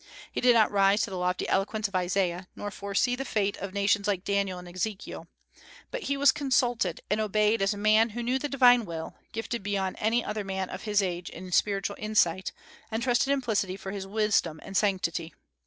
He did not rise to the lofty eloquence of Isaiah, nor foresee the fate of nations like Daniel and Ezekiel; but he was consulted and obeyed as a man who knew the divine will, gifted beyond any other man of his age in spiritual insight, and trusted implicitly for his wisdom and sanctity.